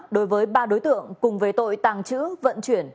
đối với ba đối tượng cùng về tội tàng trữ vận chuyển